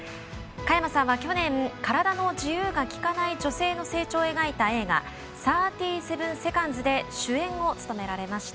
佳山さんは去年、体の自由が利かない女性の成長を描いた映画「３７セカンズ」で主演を務められました。